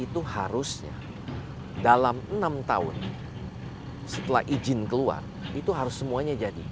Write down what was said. itu harusnya dalam enam tahun setelah izin keluar itu harus semuanya jadi